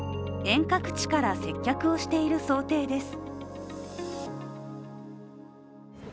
遠隔地から接客をしている想定です。